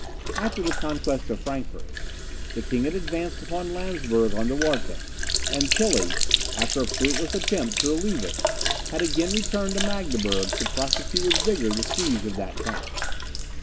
After the conquest of Frankfort, the king had advanced upon Landsberg on the Warta, and Tilly, after a fruitless attempt to relieve it, had again returned to Magdeburg, to prosecute with vigour the siege of that town.